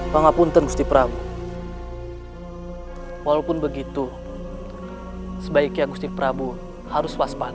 banga punten gusti prabu walaupun begitu sebaiknya gusti prabu harus waspada